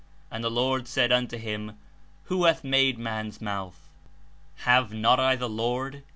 ^'And the Lord said unto him, Who hath made maris mouth f" ''Have not I the LoRD.